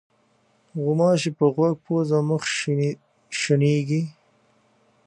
غوماشې په غوږ، پوزه او مخ شېنېږي.